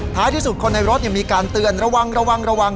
ที่สุดคนในรถมีการเตือนระวังระวังระวัง